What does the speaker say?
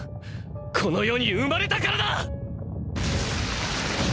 この世に生まれたからだ！